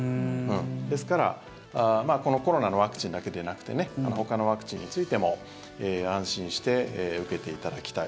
ですから、このコロナのワクチンだけでなくてねほかのワクチンについても安心して受けていただきたい。